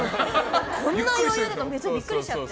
こんな余裕だからびっくりしちゃって。